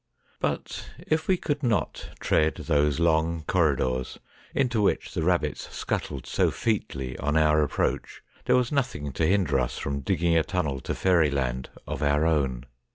But if we could not tread those long corridors into which the rabbits scuttled so featly on our approach, there was nothing to hinder us from digging a tunnel to fairy land of our own.